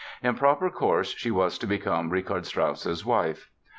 In proper course she was to become Richard Strauss's wife.